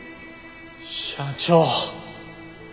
社長。